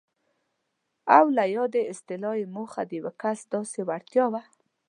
او له یادې اصطلاح یې موخه د یو کس داسې وړتیا وه.